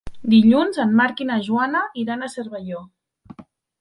Dilluns en Marc i na Joana iran a Cervelló.